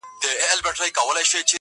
د جرګو ورته راتلله رپوټونه-